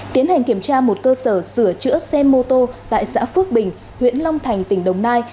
tiến hành kiểm tra một cơ sở sửa chữa xe mô tô tại xã phước bình huyện long thành tỉnh đồng nai